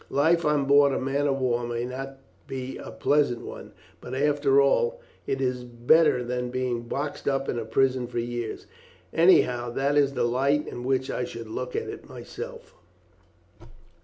Life on board a man of war may not be a pleasant one, but after all it is better than being boxed up in a prison for years. Anyhow, that is the light in which I should look at it myself."